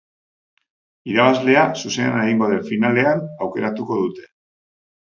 Irabazlea, zuzenean egingo den finalean aukeratuko dute.